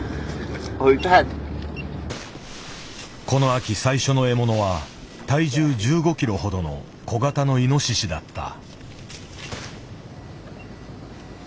この秋最初の獲物は体重１５キロほどの小型のイノシシだった。